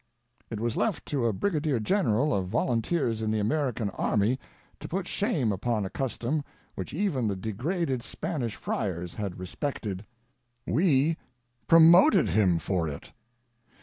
It was left to a Brigadier General of Volunteers in the Amer ican army to put shame upon a custom which even the degraded Spanish friars had respected. We promoted him for it.